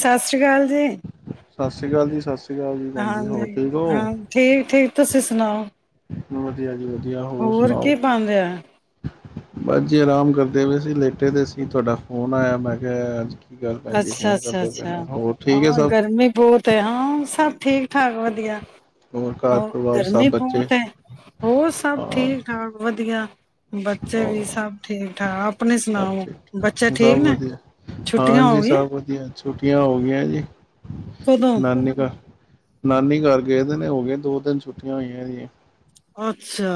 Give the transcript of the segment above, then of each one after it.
ਸਤਿ ਸ੍ਰੀ ਅਕਾਲ ਜੀ ਸਤਿ੍ਰੀ ਅਕਾਲੀ ਸਿ ਹਾਂਜੀ, ਹਾਂ ਠੀਕ- ਠੀਕ ਤੁਸੀਂ ਸੁਣਾਓ। ਵਧੀਆ ਜੀ। ਵਧੀਆ ਹੋਰ ਸੁਣਾਓ ਕੀ ਬਣ ਰਿਆ ਹੈ? ਬਸ ਜੀ ਆਰਾਮ ਕਰਦੇ ਪਏ ਸੀ, ਲੇਟੇ ਤੇ ਸੀ, ਤੁਹਾਡਾ ਫੋਨ ਆਇਆ ਮੈਂ ਕਿਹਾ, ਅੱਜ ਕੀ ਗੱਲ ਭੈਣ ਜੀ ਫੋਨ ਅੱਛਾ-ਅੱਛਾ- ਕਰਦੇ ਪਏ ਅੱਛਾ ਨੇ ਹੋਰ ਠੀਕ ਹੈ ਹਾਂ, ਸਭ ਗਰਮੀ ਬਹੁਤ ਹੈ, ਸਭ ਠੀਕ- ਠਾਕ ਵਧੀਆ। ਘਰ ਹੋਰ ਪਰਿਵਾਰ ਸਭ ਗਰਮੀ ਬੱਚੇ ਬਹੁਤ ਹੈ, ਹੋਰ ਸਭ ਹਾਂ ਠੀਕ ਠਾਕ ਵਧੀਆ। ਬੱਚੇ ਹੋਰ ਵੀ ਸਭ ਠੀਕ-ਠਾਕ, ਆਪਣੀ ਸਭ ਸੁਣਾਓ ਬੱਚੇ ਸਭ ਠੀਕ ਨੇ ਵਧੀਆ ਛੁ ਹਾਂਜੀ, ਸਭ ਵਧੀਆ। ਛੁੱਟੀਆਂ ਹੋ ਗਈਆਂ ਜੀ। ਕਦੋਂ ਨਾਨੀ ਘਾਰ ਨਾਨੀ ਘਰ ਗਏ ਦੋ ਦਿਨ ਹੋ ਗਏ ਦੋ-ਤਿੰਨ ਛੁੱਟੀਆਂ ਹੋਈਆ ਸੀ। ਅੱਛਾ।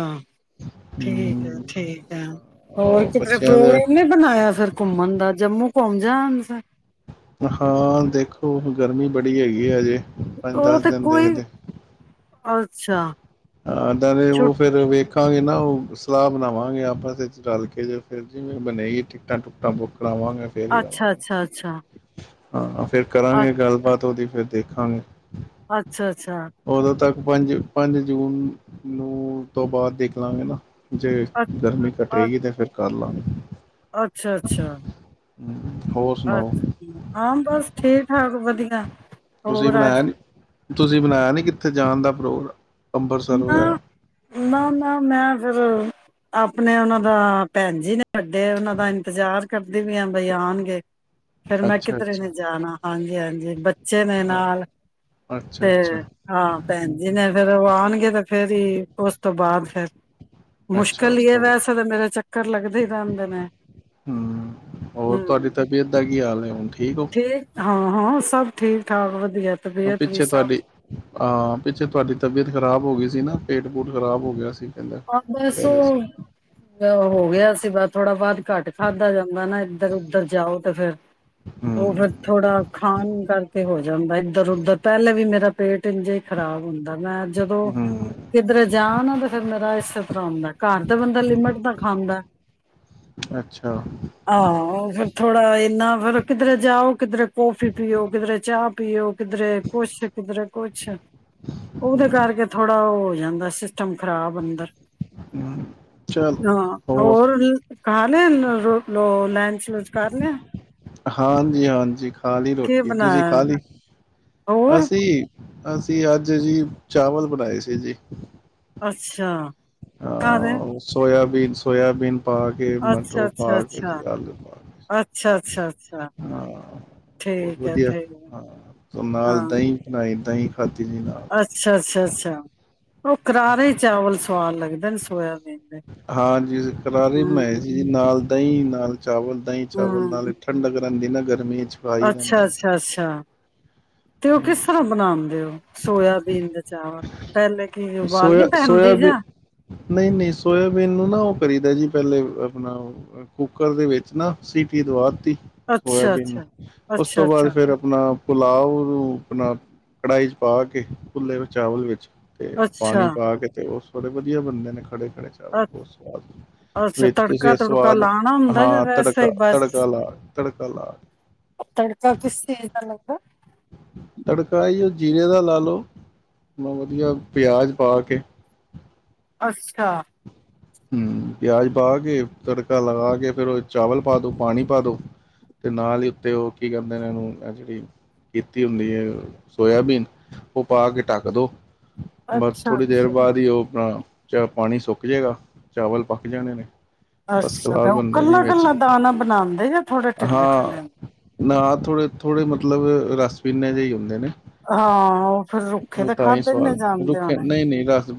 ਠੀਕ ਹੈ- ਹਮ ਠੀਕ ਹੈ ਹੋਰ ਕਿਤੇ ਬੱਚਿਆਂ ਦੇ ਪ੍ਰੋਗਰਾਮ ਨਹੀ ਬਣਾਇਆ ਫਿਰ ਘੁੰਮਣ ਦਾ ਜੰਮੂ ਘੂਮ ਜਾਨ। ਹਾਂ ਦੇਖੋ, ਗਰਮੀ ਬੜੀ ਹੈਗੀ ਆ ਅਜੇ। ਪੰਜ ਉਹ ਦਸ ਤੇ ਦਿਨ ਕੋਈ ਦੇਖਦੇ ਅੱਛਾ। ਹਾਂ ਇਦਾ ਰਦੇ ਛੁੱ ਉਹ ਫਿਰ ਵੇਖ ਰੱਖਾਂਗੇ ਨਾ, ਉਹ ਸਲਾਹ ਬਣਾਵਾਂਗੇ ਆਪਸ ਵਿਚ ਰਲ ਕੇ ਜੋ ਫਿਰ ਜੀਵੇਂ ਬਣੇ ਟਿਕਟਾਂ- ਟੁਕਟਾਂ ਬੁੱਕ ਕਰਾਵਾਂਗੇ ਫਿਰ ਹੀ ਆਵਾਂਗੇ ਅੱਛਾ-ਅੱਛਾ-ਅੱਛਾ-ਅੱਛਾ। ਹਾਂ, ਫੇਰ ਕਰਾਂਗੇ ਗੱਲਬਾਤ। ਓਦਰੋ ਦੀ ਫਿਰ ਦੇਖਾਂਗੇ। ਅੱਛਾ-ਅੱਛਾ। ਪੰਜ-ਪੰਜ ਜੂਨ ਨੂੰ ਤੋਂ ਬਾਅਦ ਦੇਖ ਲਾਂਗੇ ਨਾ। ਜੇ ਅ ਗਰਮੀ ਅ ਘਟੇਗੀ ਤੇ ਫਿਰ। ਕਰ ਲਾਗੇ। ਅੱਛਾ ਅੱਛਾ ਹੂੰ। ਹੋਰ ਅੱ ਸੁਣਾਓ। ਹਾਂ, ਬਸ ਠੀਕ-ਠਾਕ ਵਧੀਆ। ਤੁਸੀਂ ਹੋਰ ਅੱਜ ਬਣਾਇਆ ਨੀ। ਤੁਸੀਂ ਬਣਾਇਆ ਨੀ, ਕਿੱਥੇ ਜਾਣ ਦਾ ਪ੍ਰੋਗਰਾਮ? ਅੰਮ੍ਰਿਤਸਰ ਵਗੈਰਾ ਨਾ-ਨਾ-ਨਾ, ਮੈਂ ਰਾ ਆਪਣੇ ਉਹਨਾਂ ਦਾ ਭੈਣ ਜੀ ਨੇ ਅਤੇ ਹੈ ਉਹਨਾ ਦਾ ਇੰਤਜ਼ਾਰ ਕਰਦੇ ਵੀ ਆ ਬਾਈ ਆਉਣਗੇ ਫਿਰ ਮੈਂ ਅੱਛਾ ਕਿਧਰੇ ਅੱਛਾ ਨੇ ਜਾਣਾ ਹਾਂਜੀ ਹਾਂਜੀ ਬੱਚੇ ਨੇ ਹਾਂ ਨਾਲ ਅੱਛਾ ਤੇ ਅੱਛਾ ਭੈਣ ਜੀ ਨੇ ਫਿਰ ਆ ਤਾਂ ਫੇਰ ਹੈ ਜੀ ਉਸ ਤੋਂ ਬਾਅਦ ਫੇਰ ਅੱਛਾ ਮੁਸ਼ਕਿਲ ਉਸ ਹੀ ਹੈ ਤੋਂ ਬਾਅਦ ਵੈਸੇ ਤਾਂ ਮੇਰੇ ਚੱਕਰ ਲੱਗਦੇ ਹੀ ਰਹਿੰਦੇ ਨੇ ਹੂ ਇੰਜ ਠੇਲੇ ਹਾਂ ਹਾਂ ਸਭ ਠੀਕ ਠਾਕ ਵਧੀ ਪਿੱਛੇ ਤੁਹਾਡੀ ਆਹ ਪਿੱਛੇ ਤੁਹਾਡੀ ਤਬੀਅਤ ਖ਼ਰਾਬ ਹੋ ਗਈ ਸੀ ਨਾ ਪੇਟ ਪੂਟ ਖਰਾਬ ਹੋ ਗਿਆ ਸੀ ਕਹਿੰਦਾ। ਆ ਕਹਿ ਬਸੋ ਰਹੇ ਸੀ ਹੋ ਗਿਆ ਸੀ ਬ ਥੋੜਾ ਬਾਹੁਦ ਘੱਟ ਖਾਧਾ ਜਾਂਦਾ ਨਾ ਇੱਧਰ ਉੱਧਰ ਜਾਓ ਤੇ ਫਿਰੇ ਹੂੰ ਉਹ ਫਿਰ ਥੋੜਾ ਖਾਣ ਕਰਕੇ ਹੋ ਗ ਜਾਂਦਾ ਇੱਧਰ ਉੱਧਰ ਪਹਿਲੇ ਵੀ ਮੇਰਾ ਪੇਟ ਇੰਜ ਹੀ ਖ਼ਰਾਬ ਹੁੰਦਾ ਸੀ ਮੈਂ ਜਦੋਂ ਹੂੰ ਕਿੱਧਰ ਜਾ ਨਾ ਤੇ ਫਿਰ ਮੈਂ ੁੰਦਾ ਘਰ ਦਾ ਬੰਦਾ ਲਿਮਿਟ ਤਾਂ ਖਾਂਦਾ ਅੱਛਾ ਆਹ ਫੇਿਰ ਥੋੜਾ ਇਨਾ ਫਿਰ ਕਿਧਰੇ ਜਾਓ ਕਿਧਰੇ ਕੌਫੀ ਪੀਓ ਕਿਧਰੇ ਚਾਹ ਪੀਓ ਕਿਧਰੇ ਕੁਛ ਕਿਧਰੇ ਕੁਛ ਉਹਦੇ ਹੂੰ ਕਰਕੇ ਥੋੜਾ ਉਹ ਹੋ ਜਾਂਦਾ ਦਾ ਸਿਸਟਮ ਖਰਾਬ ਬੰਦਰ ਹੂੰ, ਚਲੋ ਹਾਂ ਹੋਰ ਰ ਲੋ ਲੰਚ ਲੁਚ ਕਰ ਲਿਆ ਹਾਂਜੀ ਹਾਂਜੀ ਖਾ ਲਈ ਕੀ ਰੋਟੀ ਤੁਸੀਂ ਖਾ ਬਣਾਇਆ ਲਈ ਹੋਰ ਅਸੀਂ ਅਸੀਂ ਅੱਜ ਜੀ ਚਾਵਲ ਬਣਾਏ ਸੀ ਜੀ ਅੱਛਾ ਕਾਹਦੇ ਹ ਸੋਇਆੀ ਬੀਨ ਸੋਇਆਬੀਨ ਪਾ ਕੇ ਅੱਛਾ ਮਟਰੋ ਅੱਛਾ ਪਾ ਕੇ ਜ ਅੱਛਾ ਆਲੂ ਪਾ ਅੱਛਾ ਕੇ ਅੱਛਾ ਅੱਛਾ ਹਾਂ ਬਹੁਤ ਠੀਕ ਹੈ ਵਧੀਆ ਠੀਕ ਹੈ ਹਾਂ ਨਾਲ ਹਾਂ ਦਹੀਂ ਬਣਾਈ ਅਤੇ ਅੱਛਾ ਅੱਛਾ ਅੱਛਾ ਉਹ ਕਰਾਰੇ ਚਾਵਲ ਸੱ ਹਾਂਜੀੀ ਕਰਾਰੇ ਬਣਾਏ ਹਮ ਸੀ ਜੀ ਨਾਲ ਦਹੀਂ ਨਾਲ ਚਾਵਲ ਦਹੀਂ ਚਾਵਲ ਹਮ ਨਾਲ ਠੰਡ ਕਰਨ ਦੀ ਨਾ ਗਰਮੀ 'ਚ ਖਾਈ ਦਾ ਅੱਛਾ ਹੁੰਦਾ। ਅੱਛਾ ਅੱਛਾ ਤੇ ਉਹ ਕਿਸ ਤਰ੍ਹਾਂ ਬਣਾਉਦੇ ਸੋਇਆਬੀਨ ਦੇ ਚਾਵਲ ਪਹਿਲੇ ਕੀ ਸੋਇਆ ਉਬਾਲਣੀ ਪੈਂਦੀ ਸੋਆਬੀਨ ਜਾਂ ਨਹੀਂ ਨਹੀਂ ਸੋਆਬੀਨ ਨੂੰ ਨਾ ਕਰੀਦਾ ਜੀ ਪਹਿਲੇ ਆਪਣਾ ਕੁੱਕਰ ਦੇ ਵਿੱਚ ਨਾ ਸੀਟੀ ਤੋਂ ਬਾਅਦ ਅੱਛਾ, ਸੋਇਬੀਨ ਨੂੰ ਅੱਛਾ, ਉਸ ਤੋਂ ਅੱਛਾ, ਬਾਅਦ ਅੱਛਾ, ਫੇਿਰ ਆਪਣਾ ਪੁੁਲਾਵ ਆਪਣਾ ਕੜਾਹੀ ਚ ਪਾ ਕੇ ਭੁੱਲੇ ਚਾਵਲ ਵਿੱਚ ਅਤੇ ਅੱਛਾ, ਪਾਣੀ ਪਾ ਕੇ ਅਤੇ ਉਸ ਬੜੇ ਵਧੀਆ ਬੰਦੇ ਨੇ ਖੜੇ ਚਾਵਲ ਅ ਬਹੁਤ ਸਵਾਦ ਅੱਛਾ ਵਿੱਚ ਤੜਕਾ ਤੁਸੀਂ ਤੁੜਕਾ ਸਵਾਦ ਲਾਣਾ ਹੁੰਦਾ ਹਾਂ ਜਾਂ ਵੈਸੇ ਹੀ ਤੜਕਾ ਬਸ ਤੜਕਾ ਲਾ ਤੜਕਾ ਲਾ ਤੜਕਾ ਕਿਸ ਚੀਜ਼ ਦਾ ਲੱਗਦਾ ਤੜਕਾ ਹੀ ਜੀਰੇ ਦਾ ਲਾ ਲਉ ਬ ਵਧੀਆ ਪਿਆਜ਼ ਪਾ ਕੇ ਅੱਛਾ ਹਮ ਪਿਆਜ ਪਾ ਕੇ ਤੜਕਾ ਲਗਾ ਕੇ ਫੇਿਰ ਉਹ ਚਾਵਲ ਪਾ ਦੋ ਪਾਣੀ ਪਾ ਦੋ ਤੇ ਨਾਲ ਹੀ ਉੱਤੇ ਉਹ ਕੀ ਕਹਿੰਦੇ ਨੇ ਇਹਨੂੰ ਜਿਹੜੀ ਕੀਤੀ ਹੁੰਦੀ ਹੈ ਸੋਇਆਬੀਨ ਉਹ ਪਾ ਕੇ ਢੱਕ ਦੋ ਬਸ ਅੱਛਾ, ਥੋੜ੍ਹੀ ਦੇਰ ਅੱਛਾ। ਬਾਅਦ ਹੀ ਉਹ ਆਪਣਾ ਚੱਲ ਪਾਣੀ ਸੁੱਕ ਜੇਗਾ ਚਾਵਲ ਪੱਕ ਜਾਣੇ ਨੇ ਫਸਟ ਅੱਛਾ ਕਲਾਸ ਤਾਂ ਉਹ ਬੰਦਾ ਜੀ ਕੱਲਾ ਵਿੱਚ ਕੱਲਾ ਦਾਣਾ ਬਣਾਦੇ ਜਾਂ ਥੋੜੇ ਢਿੱਲੇ ਹਾਂ ਢਿੱਲੇ ਨਾ ਥੋੜੇ ਥੋੜੇ ਮਤਲਬ ਸਨੇ ਜ ਹੀ ਹੁੰਦੇ ਨੇ ਹਾਂ ਉਹ ਫਿਰ ਰੁੱਖੇ ਤੇ ਖਾਦੇੇ ਕਿ ਨਹੀਂ ਜਾਣਦੇ ਹੋਣੇ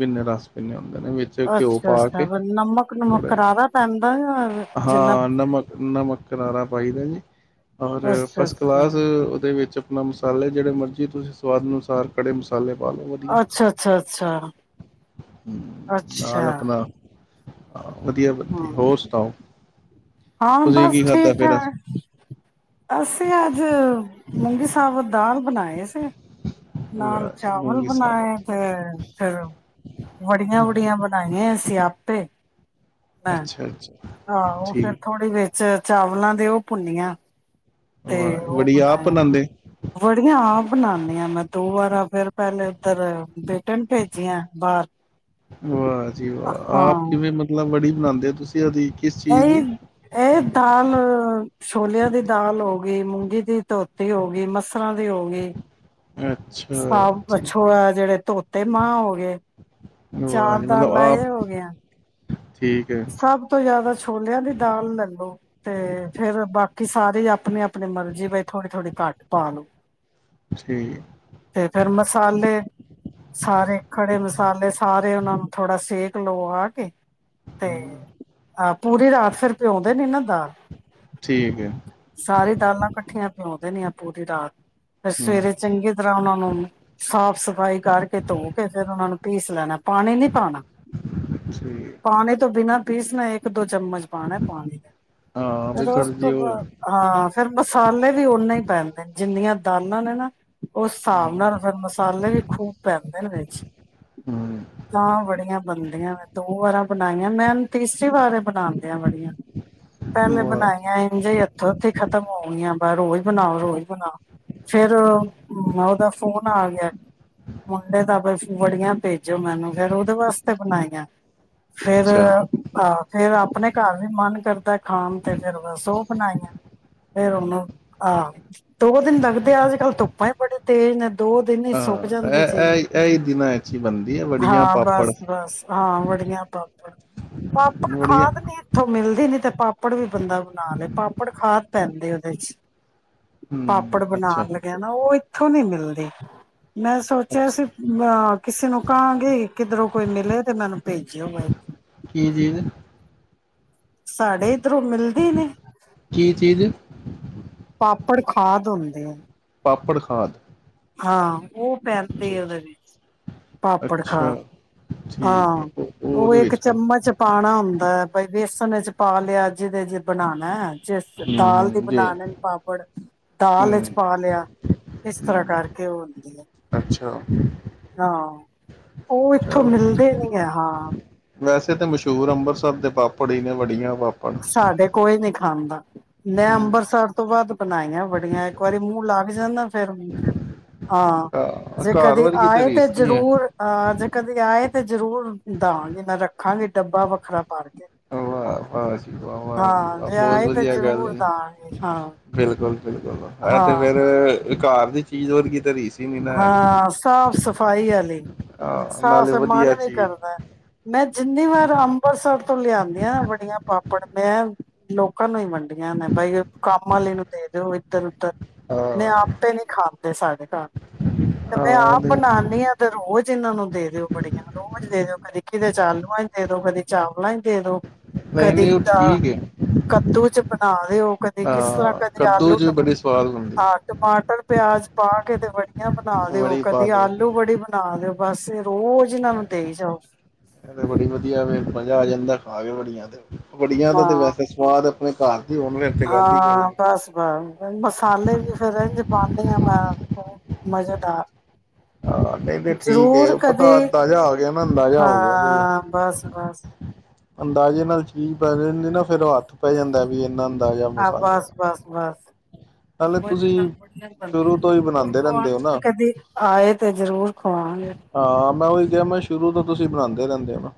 ਿੰਨੇ ਰਸ ਪਿੰਨੇੁੰਦੇ ਇਹਦੇ ਵਿੱਚ ਘਿਓ ਅੱਛਾ ਪਾ ਅੱਛਾ ਕੇ ਨਮਕ ਨੁਮਕ ਥੋੜਾ ਕਰਾਰਾ ਪੈਂਦਾ ਜਾਂ ਜਿੰਨਾ ਹਾਂ ਨਮਕ ਨਮਕ ਕਿਨਾਰਾ ਪਾਈ ਦਾ ਜੀ ਔਰ ਅੱਛਾ ਫਸਟ ਅੱਛਾ ਕਲਾਸ ਦੇ ਵਿੱਚ ਆਪਣਾ ਮਸਾਲੇ ਜਿਹੜੇ ਮਰਜ਼ੀ ਤੁਸੀਂ ਸਵਾਦ ਅਨੁਸਾਰ ਕੜੇ ਮਸਾਲੇ ਪਾ ਲਓ ਵਧੀਆ ਅੱਛਾ ਅੱਛਾ ਅੱਛਾ ਅੱਛਾ ਹ ਵਧੀਆ ਵਧੀਆ ਹਾਂ ਹੋਰ ਸੁਣਾਓ ਹਾਂ ਤੁਸੀਂ ਬਸ ਕੀ ਖਾਧਾ ਠੀਕ ਫੇਰ ਠਾਕ ਅਸੀਂ ਅੱਜ ਮੂੰਗੀ ਸਾਾਬਤ ਦਾਲ ਬਣਾਏ ਸੀ ਨਾਲ ਵਾਹ ਚਾਵਲ ਮੂੰਗੀ ਬਣਾਏ ਸਾਬਤ ਤੇ ਫਿਰ ਵੜੀਆਂ ਵੁੜੀਆਂ ਬਣਾਈਆਂ ਸ ਆਪੇ ਮੈਂ ਅੱਛਾ ਅੱਛਾ ਆਹੋ ਉਹ ਫੇਿਰ ਠੀਕ ਥੋੜ੍ਹੀ ਵੇਖ ਚ ਚਾਵਲਾਂ ਦੇ ਉਹ ਭੁੰਨੀਆਂ ਤੇ ਵਾਹ ਉਹ ਬੜੀ ਆਪ ਬਣਾਇਆ, ਬਣਾਉਂਦੇ ਵੜੀਆਂ। ਬਣਾਨੇ ਹਾਂ, ਮੈਂ ਦੋ ਵਾਰ ਫਿਰ ਪਹਿਲੇ ਉੱਧਰ ਬੇਟੇ ਨੂੰ ਭੇਜੀਆਂ ਬਾਹਰ। ਵਾਹ ਜੀ ਵਾਹ, ਆਪ ਹਾਂ ਕਿਵੇਂ ਮਤਲਬ ਵੜੀ ਬਨਾਉਂਦੇ ਹੋ ਤੁਸੀਂ ਉਹਦੀ ਕਿਸ ਚੀਜ਼ ਦੀ ਇਹੀ, ਇਹ ਦਾਲ ਛੋਲਿਆਂ ਦੀ ਦਾਲ ਹੋ ਏ, ਮੂੰਗੀ ਦੀ ਧੋਤੀ ਹੋ ਗਈ, ਮਸਰਾਂ ਦੀ ਹੋ ਗਈ। ਅੱਛਾ ਠੀਕ ਹੈ ਅਛਾ, ਜਿਹੜੇ ਧੋਤੇ ਮਾਂ ਹੋ ਗਏ, ਵਾਹ ਚਾਰ ਜੀ ਮਤਲਬ ਦਾਲਾਂ ਆਪ ਇਹ ਹੋ ਗਈਆ। ਠੀਕ ਹੈ ਸਭ ਤੋਂ ਜਿਆਦਾ ਛੋਲਿਆਂ ਦੀ ਦਾਲ ਲੈਲੋ ਤੇ ਫਿਰ ਬਾਕੀ ਕਿ ਸਾਰੇ ਆਪਣੇ-ਆਪਣੇ ਮਰਜ਼ੀ ਬਈ ਥੋੜ੍ਹੀ-ਥੋੜੀ ਘੱਟ ਪਾ ਲੋ। ਠੀਕ ਤੇ ਫੇਰ ਮਸਾਲੇ, ਸਾਰੇ ਖੜੇ ਮਸਾਲੇ ਸਾਰੇ ਉਹਨਾ ਨੂੰ ਥੋੜਾ ਸੇਕ ਲੋਵਾ ਕੇ ਤੇ ਹਮ, ਆਪ ਪੂਰੀ ਰਾਤ ਫਿਰ ਪਿਉਂਦੇ ਨੇ ਨਾ ਦਾਲ, ਠੀਕ ਹੈ ਸਾਰੀ ਦਾਲਾਂ ਕੱਠੀਆਂ ਪਿਉਂਦੇ ਦੇਂਦੀ ਹਾ। ਪੂਰੀ ਰਾਤ ਫੇਰ ਹਮ, ਸਵੇਰੇ ਚੰਗੀ ਤਰ੍ਹਾਂ ਉਹਨਾਂ ਨੂੰ ਸਾਫ ਸਫਾਈ ਕਰਕੇ ਧੋ ਕੇ ਫਿਰ ਉਹਨਾ ਨੂੰ ਪੀਸ ਲੈਣਾ ਪਾਣੀ ਨੀ ਪਾਉਣਾ, ਠੀਕ ਪਾਣੀ ਬਿਨਾ ਪੀਸ ਨਾ ਇੱਕ-ਦੋ ਚਮਚ ਪਾਣਾ ਪਾਣੀ ਹਾਂ ਵੀ ਫਿਰ ਉਸ ਥੋੜੀ ਜਿਹੀ ਤੋਂ ਉਹ ਬਾਅਦ ਹਾਂ ਫੇਰ ਮਸਾਲੇ ਵੀ ਓਨੇ ਹੀ ਪੈਂਦੇ ਨੇ ਜਿੰਨੀਆਂ ਦਾਨਾਂ ਨੇ ਨਾ ਉਸ ਹਿਸਾਬ ਨਾਲ ਹਮ, ਫਿਰ ਮਸਾਲੇ ਵੀ ਖੂਬ ਪੈਂਦੇ ਨੇ ਵਿੱਚ, ਹਮ, ਤਾਂ ਵੜੀਆਂ ਬਣਦੀਆਂ ਨੇ ਦੋ ਵਾਰਾਂ ਬੜਾਈਆਂ, ਮੈ ਹੁਣ ਤੀਸਰੀ ਵਾਰ ਬਣਾਦੇ ਹਾ ਵੜੀਆਂ ਪਹਿਲੇ ਵਾਹ ਬਣਾਈਆਂ ਇੰਝ ਇੱਥੋਂ-ਉੱਥੇ ਖਤਮ ਹੋ ਗਈਆਂ ਰੋਜ਼ ਬਣਾਓ ਰੋਜ ਬਣੳ, ਫਿਰ ਉਹਦਾ ਫੋਨ ਆ ਗਿਆ ਮੁੰਢੇ ਤਾਂ ਵੜੀਆ ਭੇਜੋ ਮੈਨੂੰ, ਫੇਿਰ ਉਹਦੇ ਵਾਸਤੇ ਬਣਾਈਆਂ। ਫੇਰ ਅੱਛਾ ਆਹ ਫੇਰ ਆਪਣੇ ਘਰ ਵੀ ਮਨ ਕਰਦਾ ਖਾਣ ਤੇ, ਫਿਰ ਬਸ ਉਹ ਬਣਾਈਆਂ ਫੇਰ ਹਮ, ਉਹਨੂੰ ਆਹ ਦੋ ਦਿਨ ਲ ਤੇ ਅੱਜ-ਕੱਲ ਧੁੱਪਾਂ ਹੀ ਬੜੇ ਤੇਜ਼ ਨੇ। ਦੋ ਦਿਨ ਹੀ ਸੁੱਕ ਹਾਂ ਜਾਂਦੇ ਇਹ ਜੇ ਇਹ ਇਹ ਹੀ ਦਿਨਾਂ ਵਿੱਚ ਹੀ ਬਣਦੀ ਹੈ ਵੜੀਆਂ ਹਾਂ ਪਾਪੜ ਬਸ-ਬਸ ਹਾਂ ਵੜੀਆਂ। ਪਾਪੜ-ਪਾਪੜ ਵੜੀਆਂ ਖਾਣ ਨੀ ਇਥੋਂ ਮਿਲਦੇ ਨੀ ਤੇ ਪਾਪੜ ਵੀ ਬੰਦਾ ਬਣਾ ਲਏ ਪਾਪੜ ਖਾਣ ਪੈਂਦੇ ਉਹਦੇ ਚ ਹਮ, ਪਾਪੜ ਅੱਛਾ ਬਣਾਉਣ ਲੱਗਿਆ ਨਾ ਉਹ ਇਥੋਂ ਨਹੀ ਮਿਲਦੀ। ਮੈਂ ਸੋਚਿਆ ਅੱਛਾ ਸੀ, ਅ ਕਿਸੇ ਨੂੰ ਕਹਾਂਗੇ ਕਿੱਧਰੋਂ ਕੋਈ ਮਿਲੇ ਤੇ ਮੈਨੂੰ ਭੇਜ ਕੀ ਚੀਜ਼? ਸਾਡੇ ਇਧਰੋਂ ਮਿਲਦੇ ਨੇ। ਕੀ ਚੀਜ਼ ਪਾਪੜ ਖਾਦ ਹੁੰਦੇ ਐ। ਪਾਪੜ ਖਾਦ। ਹਾਂ। ਉਹ ਅੱਛਾ ਪੈਂਦੇ ਉਹਦੇ ਅੱਛਾ ਵਿੱਚ, ਪਾਪੜ ਖਾਦ ਅੱਛਾ ਠੀਕ ਹਾਂ ਹੈ ਉਹ ਉਹਦੇ ਇੱਕ ਵਿੱਚ ਪੈਂਦਾ ਚਮਚ ਪਾਣਾ ਹੁੰ ਤਾਂ ਭਾਈ ਬੇਸਨ ਚ ਪਾ ਲਿਆ ਜਿਹਦੇ ਜੇ ਬਨਾਣਾ ਐ। ਜਿਸ ਹੂੰ ਦਾਲ ਦੀ ਹੂੰ ਜੀ ਬਣਾਣੇ ਪਾਪੜ, ਦਾਲ ਚ ਹੂੰ ਪਾ ਲਿਆ। [unintelligible] ਇਸ ਤਰ੍ਹਾਂ ਕਰਕੇ ਉਹ ਹੁੰਦੀ ਐ। ਅੱਛਾ। ਉਹ ਇੱਥੋਂ ਚਲੋ ਮਿਲਦੇ ਨੀ ਹੈ ਹਾਂ। ਵੈਸੇ ਤੇ ਮਸ਼ਹੂਰ ਅੰਬਰਸਰ ਦੇ ਪਾਪੜ ਹੀ ਨੇ ਬੜੀਆਂ। ਸਾਡੇ [unintelligible] ਕੋਈ ਨੀ ਖਾਂਦਾ ਮੈਂ ਅੰਮ੍ਰਿਤਸਰ ਤੋਂ ਬਾਅਦ ਬਣਾਈਆਂ ਵੜੀਆਂ, ਇੱਕ ਵਾਰੀ ਮੂੰਹ ਲੱਗ ਜਾਂਦਾ ਫੇਰ ਹਾਂ। ਘਾ- ਜੇ ਘਰ ਕਦੇ ਵਰਗੀ ਤਾਂ ਆਏ ਤੇ ਰੀਸ ਨਹੀਂ ਹੈ ਜ਼ਰੂਰ, ਅਹ ਜੇ ਕਦੇ ਆਏ ਤੇ ਜ਼ਰੂਰ ਦਵਾਂਗੀ ਮੈਂ ਰੱਖਾਂਗੀ ਡੱਬਾ ਵੱਖਰਾ ਭਰ ਕੇ ਵਾਹ ਵਾਹ ਜੀ ਵਾਹ, ਵਾਹ ਜੀ ਹਾਂ ਵਾਹ, ਜੇ ਬਹੋਤ ਆਏ ਤੇ ਵਧੀਆ ਗੱਲ ਜ਼ਰੂਰ ਦਾਂਗੇ ਐ, ਹਾਂ ਬਿਲਕੁਲ-ਬਿਲਕੁਲ ਐ ਹਾਂ ਤੇ ਫੇਰ ਘਾਰ ਦੀ ਚੀਜ਼ ਵਰਗੀ ਤੇ ਰੀਸ ਹੀ ਨਹੀਂ ਨਾ ਹਾਂ ਸਾਫ ਸਫ ਸਫਾਈ ਆਲੀ ਹਾਂ, ਨਾਲੇ ਸਾਸ ਵਧੀਆ ਮਨ ਵੀ ਚੀਜ਼ ਕਰਦਾ ਮੈਂ ਜਿੰਨੀ ਵਾਰ ਅੰਬਰਸਰ ਤੋਂ ਲਿਆਦੀਆਂ ਵੜੀਆਂ ਪਾਪੜ ਮੈਂ ਲੋਕਾਂ ਨੂੰ ਈ ਵੰਡੀਆਂ ਨੇ ਬਾਈ ਕੰਮ ਆਲੀ ਨੂੰ ਦੇ ਦਿਓ ਇੱਧਰ ਉੱਧਰ ਨਹੀਂ ਹਾਂ ਆਪੇ ਨਹੀਂ‌ ਖਾਂਦੇ ਸਾਡੇ ਘਰ ਤੇ ਮੈਂ ਹਾਂ ਆਪ ਨਹੀਂ ਬਣਾਣੀ ਆ ਤੇ ਰੋਜ਼ ਇਹਨਾਂ ਨੂੰ ਦੇ ਦਿਓ ਬੜੀਆਂ ਰੋਜ਼ ਦੇ ਕਦੀ ਕਿਤੇ ਚ ਆਲੂਆ ਚ ਦੇਦੋ, ਕਦੇ ਚਾਵਲ ਚ ਦੇਦੋ। ਨਹੀਂ ਕਦੀ ਨਹੀਂ ਉਹ ਤਾਂ ਠੀਕ ਹੈ ਕੱਦੂ ਚ ਬਣਾ ਦਿਓ, ਕਦੇ ਕਿਸ ਤਰ੍ਹਾਂ ਹਾਂ ਕਦੇ ਕੱਦੂ ਆਲੂ 'ਚ ਵੀ ਬੜੇ ਸਵਾਦ ਹੁੰਦੇ ਹਾਂ ਟਮਾਟਰ ਪਿਆਜ ਪਾ ਕੇ ਤੇ ਬੜੀ ਬਣਾ ਦਿਓ, ਬੜੀ ਪਾ ਕਦੀ ਦੋ ਆਲੂ ਬੜੀ ਬਣਾ ਦਿਓ ਬਸ ਰੋਜ਼ ਇਹਨਾਂ ਨੂੰ ਦੇਈ ਜਾਓ ਇਹ ਤੇ ਬੜੀ ਵਧੀਆ ਵੇ, ਮਜਾ ਆ ਜਾਂਦਾ। ਆ ਜਾਯੋ ਬੜੀਆ ਤੇ ਵੜੀਆਂ ਦਾ ਤੇ ਹਾਂ ਵੈਸੇ ਸਵਾਦ [inaudible] ਤੇ ਗੱਲ ਹੀ ਕੋਈ ਹਾਂ ਨੀ ਬਸ ਬ ਮਸਾਲੇ ਵੀ ਫੇਰ ਇਝ ਪਾਦੀ ਆ ਮੈਂ ਬੋਤ ਮਜ਼ੇਦਾਰ ਆਹ ਨਹੀਂ ਤੇ ਠੀਕ ਜ਼ਰੂਰ ਏ ਕਦੇ ਪਤਾ ਅੰਦਾਜ਼ਾ ਆ ਗਿਆ ਅੰਦਾਜ਼ਾ ਹੋ ਗਿਆ ਬਈ ਹਾਂ ਬਸ ਬਸ ਅੰਦਾਜ਼ੇ ਨਾਲ ਚੀਜ਼ ਠੀਕ ਪੈ ਜਾਣਗੇ ਫਿਰ ਔ ਹੱਥ ਪੈ ਜਾਂਦਾ ਵੀ ਇਹਨਾਂ ਅੰਦਾਜ਼ਾ ਮਸਾਲੇ ਦਾ ਨਾਲੇ [unintelligible] ਤੁਸੀਂ ਸ਼ੁਰੂ ਤੋਂ ਹੀ ਰੂਰ ਬਣਾਉਂਦੇ ਰਹਿੰਦੇ ਹੋ ਖਵਾਤੇ ਨਾ ਕਦੇ ਆਏ ਤੇ ਜਰੂਰ ਖਵਾਵਾਗੇ ਹਾਂ ਮੈਂ ਉਹੀ ਕਿਹਾ ਮੈਂ ਸ਼ੁਰੂ ਤੋਂ ਤੁਸੀਂ ਬਣਾਉਂਦੇ ਰਹਿੰਦੇ ਹੋ ਨਾ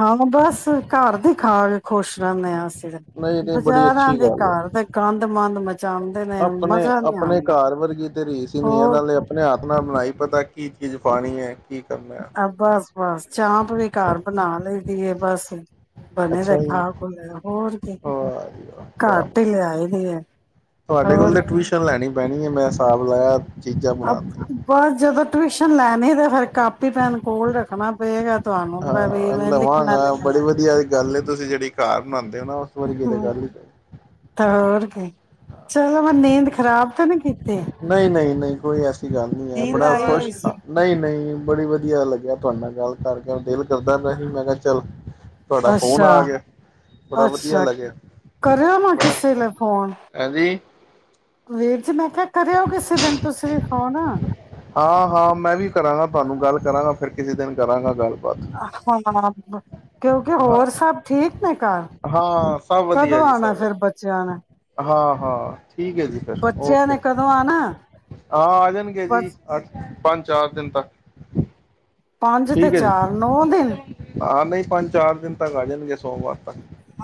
ਹਾਂ ਬਸ ਘਰ ਦਿਖਾ ਖੁਸ਼ ਰਹਿੰਨੇ ਆ ਅਸੀ ਨਹੀਂ ਤੇ ਬੜੀ ਬਾਜ਼ਾਰਾਂ ਅੱਛੀ ਦੇ ਗੱਲ ਘਰ ਹੈ ਤੇ ਗੰਦ ਮੰੰਦ ਆਪਣੇ ਆਪਣੇ ਘਰ ਵਰਗੀ ਤੇ ਰੀਸ ਈ ਨ ਇਹ ਤੇ ਹੋਰ ਨਾਲੇ ਆਪਣੇ ਹ ਆਪਣਾ ਬਣਾਈ ਪਤਾ ਕੀ ਚੀਜ਼ ਪਾਣੀ ਹੈ ਕੀ ਕਰਨਾ ਆ ਬਸ ਬਸ ਚਾਂਪ ਵੀ ਘਰ ਬਣਾ ਲਈ ਦੀ ਬਸ ਬਣੇ ਦੇ ਅੱਛਾ ਜੀ ਖਾ ਖੂ ਲੋ ਹੋਰ ਕੀ ਵਾਹ ਜੀ ਵਾਹ ਕਿਆ ਘਰਟ ਹੀ ਲਿਆਏ ਦੀ ਹੈ ਤੁਹਾਡੇ ਕੋਲ ਤੇ ਟਿਊਸ਼ਨ ਲੈਣੀ ਪਹਿਣੀ ਮੈਂ ਹਿਸਾਬ ਲਾਇਆ ਚੀਜ਼ਾਂ ਅਬ, ਬਣਾਉਣ ਦੀ ਬਸ ਜਦੋਂ ਟਿਊਸ਼ਨ ਲੈਣੀ ਤਾਂ ਫੇਿਰ ਕਾਪੀ ਪੈਨ ਕੋਲ ਰੱਖਣਾ ਪਏਗਾ ਤੁਹਾਨੂੰ ਹਾਂ ਵੀ ਇਹ ਮੈਂ ਲਿਖਣਾ ਲਵਾਂਗਾ, ਬੜੀ ਵਧੀਆ ਦੀ ਗੱਲ ਤੁਸੀਂ ਜਿਹੜੀ ਘਰ ਬਣਾਉਂਦੇ ਹੋ ਨਾ ਉਸ ਵਰਗੀ ਤੇ ਲਿਖਣਾ ਗੱਲ ਹੀ ਕੋਈ ਨਹੀ ਤਾਂ ਹੋਰ ਕੀ ਚਲੋ ਮੈਂ ਨੀਂਦ ਖਰਾਬ ਤੇ ਨ ਕੀਤੀ ਨਹੀਂ ਨਹੀਂ ਨਹੀਂ ਕੋਈ ਐਸੀ ਗੱਲ ਨਹੀਂ ਹੈ ਨੀਂਦ ਬੜਾ ਆਈ ਖੁਸ਼ ਹੋਈ ਸੀ। ਨਹੀਂ ਨਹੀਂ ਬੜੀ ਵਧੀਆ ਵਧੀਆ ਲੱਗਿਆ ਤੁਹਾਡੇ ਨਾਲ ਗੱਲ ਕਰਕੇ ਦਿਲ ਚੱਲਦਾ ਪਯਾ ਸੀ, ਮੈਂ ਕਿਹਾ ਚੱਲ ਤੁਹਾਡਾ ਫੋਨ ਆ ਗਿਆ ਅੱਛਾ-ਅੱਛਾ ਬੜਾ ਵਧੀਆ ਲੱਗਿਆ ਕਰਿਓ ਨਾ ਕਿਸੇ ਲਈ ਐੱ ਜੀ ਪਿੱਛੇ ਬੈ ਫਿਰ ਕਰਿਓ ਕਿਸੇ ਦਿਨ ਤੁਸੀਂ ਔ ਨਾ ਹਾਂ ਹਾਂ ਮੈਂ ਵੀ ਕਰਾਂਗਾ ਤੁਹਾਨੂੰ ਗੱਲ ਕਰਾਂਗਾ ਫਿਰ ਕਿਸੇ ਦਿਨ ਕਰਾਂਗਾ ਗੱਲ ਆ ਹਾਂ। ਬ ਕਿਉਂਕਿ ਹਾਂ ਹੋਰ ਸਭ ਠੀਕ। ਘਰ ਹਾਂ ਸਭ ਵਧੀਆ ਕਦੋਂ ਜੀ ਆਣਾ ਸਭ ਵਧੀਆ ਫੇਰ ਬੱਚਿਆਂ ਨੇ? ਹਾਂ, ਹਾਂ। ਠੀਕ ਹੈ ਜੀ ਫੇਰ ਬੱਚਿਆਂ ਓਕੇ, ਨੇ ਕਦੋਂ ਆਣਾ ਹਾਂ ਆ ਜਾਣਗੇ ਜੀ ਬਸ ਅੱਠ ਪੰਜ-ਚਾਰ ਦਿਨ ਤੱਕ। ਪੰਜ ਤੇ ਠੀਕ ਹੈ ਜੀ, ਚਾਰ ਨੌ ਦਿਨ ਆਂ ਨਹੀਂ ਪੰਜ ਚਾਰ ਦਿਨ ਤੱਕ ਆ ਜਾਨ ਨਹੀਂ ਤੇ ਸੋਮਵਾਰ ਤੱਕ।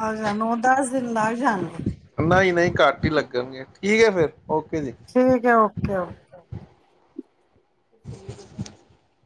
ਅੱਛਾ ਨੋ ਦਸ ਦਿਨ ਲੱਗ ਜਾਣਗੇ। ਨਹੀਂ-ਨਹੀਂ ਘੱਟ ਹੀ ਲੱਗਨਗੇ। ਠੀਕ ਹੈ ਫਿਰ ਓਕੇ ਜੀ ਠੀਕ ਹੈ ਓਕੇ-ਓਕੇ। [unintelligible]